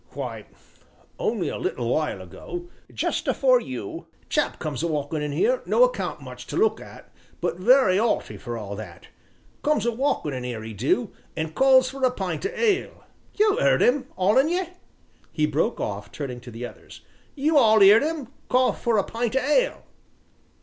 "Why, only a little while ago just afore you chap comes a walkin' in 'ere, no account much to look at, but very 'aughty for all that comes a walkin in 'ere 'e do an' calls for a pint o' ale you 'eard 'im, all on ye?" He broke off, turning to the others; "you all 'eard 'im call for a pint o' ale?"